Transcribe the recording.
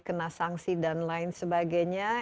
kena sanksi dan lain sebagainya